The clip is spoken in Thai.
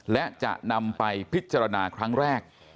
และจะนำไปพิจารณาครั้งแรก